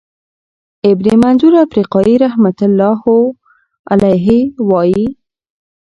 ابن منظور افریقایی رحمه الله وایی،